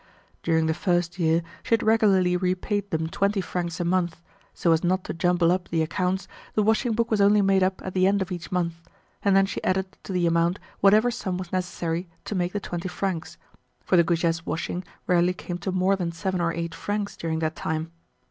During the first year she had regularly repaid them twenty francs a month; so as not to jumble up the accounts, the washing book was only made up at the end of each month, and then she added to the amount whatever sum was necessary to make the twenty francs, for the Goujets' washing rarely came to more than seven or eight francs during that time.